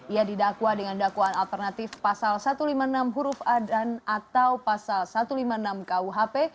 ia didakwa dengan dakwaan alternatif pasal satu ratus lima puluh enam huruf a dan atau pasal satu ratus lima puluh enam kuhp